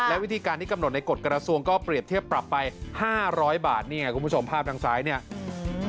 และวิธีการที่กำหนดในกฎกระทรวงก็เปรียบเทียบปรับไปห้าร้อยบาทนี่ไงคุณผู้ชมภาพทางซ้ายเนี่ย